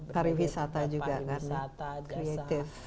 pariwisata juga kan creative economy